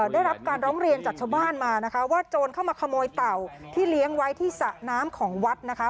ได้รับการร้องเรียนจากชาวบ้านมานะคะว่าโจรเข้ามาขโมยเต่าที่เลี้ยงไว้ที่สระน้ำของวัดนะคะ